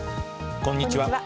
こんにちは。